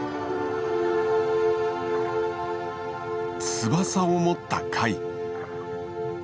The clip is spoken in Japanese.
翼を持った貝？